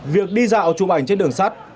việc đi dạo chụp ảnh trên đường sắt